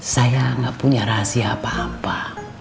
saya nggak punya rahasia apa apa